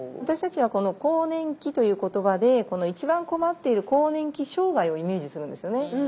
私たちはこの更年期という言葉で一番困っている更年期障害をイメージするんですよね。